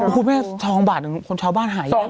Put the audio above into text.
คุณแม่ทองบาทคนชาวบ้านหายอยู่